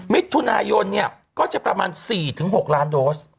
มิถุนายนเนี่ยก็จะประมาณ๔๖ล้านโดส